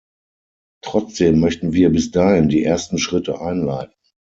Trotzdem möchten wir bis dahin die ersten Schritte einleiten.